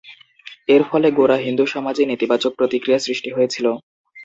এর ফলে গোঁড়া হিন্দু সমাজে নেতিবাচক প্রতিক্রিয়া সৃষ্টি হয়েছিল।